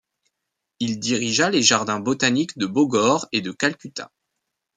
Il dirigea les jardins botaniques de Bogor et de Calcutta.